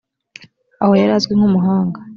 aho yari azwi nk umuhanga